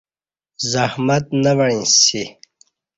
زحمت نہ وَ عݩسی